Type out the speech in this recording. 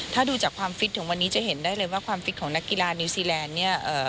ถ้าดูจากความฟิตของวันนี้จะเห็นได้เลยว่าความฟิตของนักกีฬานิวซีแลนด์เนี่ย